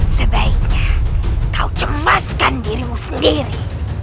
sebaiknya kau cemaskan dirimu sendiri